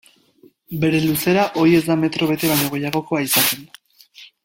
Bere luzera, ohi ez da metro bete baino gehiagokoa izaten.